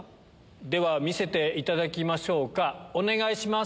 では見せていただきましょうかお願いします。